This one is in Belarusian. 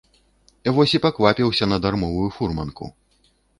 Вось і паквапіўся на дармовую фурманку.